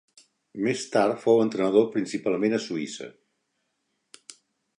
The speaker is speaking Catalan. Més tard fou entrenador, principalment a Suïssa.